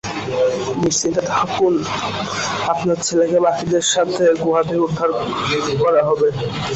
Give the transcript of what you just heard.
নিশ্চিন্তে থাকুন, আপনার ছেলেকে বাকিদের সাথেই গুহা থেকে উদ্ধার করা হবে।